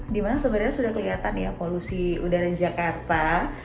dimana sebenarnya sudah kelihatan ya polusi udara jakarta